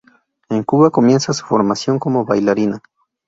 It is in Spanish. En Cuba comienza su formación como bailarina.